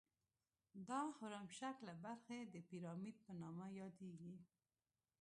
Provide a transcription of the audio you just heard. دا هرم شکله برخې د پیرامید په نامه یادیږي.